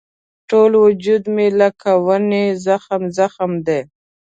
ټول وجود مې لکه ونې زخم زخم دی.